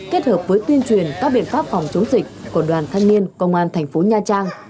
kết hợp với tuyên truyền các biện pháp phòng chống dịch của đoàn thanh niên công an thành phố nha trang